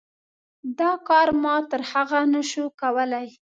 دا کار ما تر هغه نه شو کولی.